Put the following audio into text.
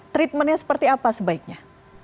treatment nya seperti apa sebaiknya